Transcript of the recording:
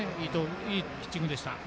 いいピッチングでした。